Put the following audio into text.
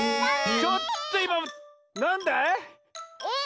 ちょっといまなんだい？え？